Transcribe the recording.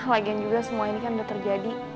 lagian juga semua ini kan udah terjadi